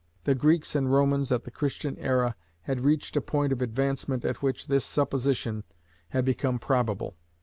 The Greeks and Romans at the Christian era had reached a point of advancement at which this supposition had become probable.